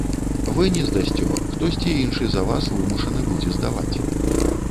Вы не здасце, хтосьці іншы за вас вымушаны будзе здаваць.